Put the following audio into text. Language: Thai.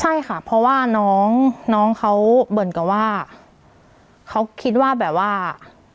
ใช่ค่ะเพราะว่าน้องน้องเขาเหมือนกับว่าเขาคิดว่าแบบว่า